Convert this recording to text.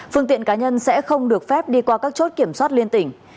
phương tiện cá nhân sẽ không được phép đi qua các chốt kiểm soát liên tỉnh